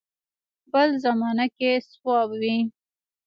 بل زمانه کې صواب وي.